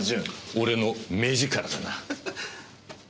俺の目力だな。